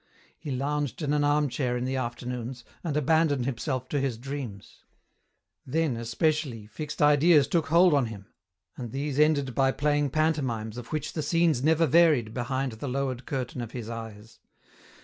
He lounged in an armchair in the afternoons, and abandoned himself to his dreams : then, especially, fixed ideas took hold on him, and these ended by playing panto mimes of which the scenes never varied behind the lowered curtain of his eyes.